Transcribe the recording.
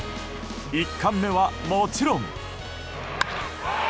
１冠目はもちろん。